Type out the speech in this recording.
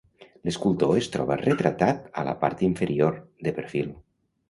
L’escultor es troba retratat a la part inferior, de perfil.